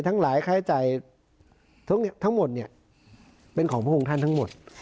ทั้งหลายค่าใช้จ่ายทั้งหมดเนี่ยเป็นของพระองค์ท่านทั้งหมด